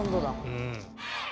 うん。